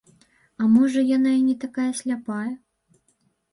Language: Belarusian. А можа яна і не такая сляпая?